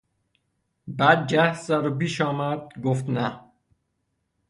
بعد جست زد و پیش آمد، گفت: نه